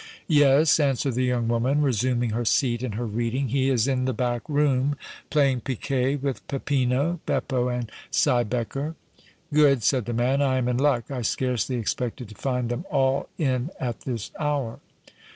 "Yes," answered the young woman, resuming her seat and her reading; "he is in the back room, playing piquet with Peppino, Beppo and Siebecker." "Good!" said the man. "I am in luck. I scarcely expected to find them all in at this hour."